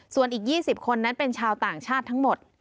ส่วนอีก๒๐คนนั้นเป็นชาวต่างชาติทั้งหมด